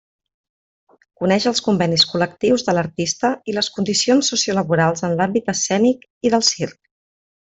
Coneix els convenis col·lectius de l'artista i les condicions sociolaborals en l'àmbit escènic i del circ.